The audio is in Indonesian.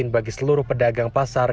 bagi seluruh pedagang pasar